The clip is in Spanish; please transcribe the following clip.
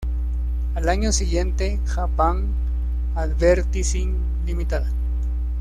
Al año siguiente, Japan Advertising Ltd.